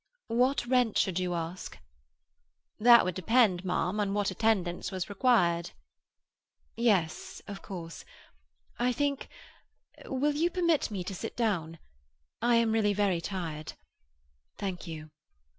"What rent should you ask?" "That would depend, mum, on what attendance was required." "Yes—of course. I think—will you permit me to sit down? I am really very tired. Thank you.